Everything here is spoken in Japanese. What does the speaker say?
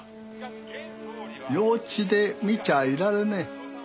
幼稚で見ちゃいられねえ。